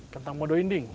kentang modo inding